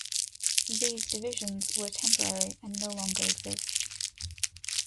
These divisions were temporary and no longer exist.